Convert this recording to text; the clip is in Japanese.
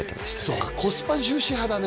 そうかコスパ重視派だね